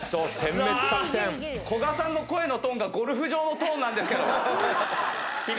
古閑さんの声のトーンがゴルフ場のトーンなんですけど。